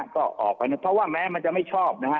ก็ออกไปนะเพราะว่าแม้มันจะไม่ชอบนะฮะ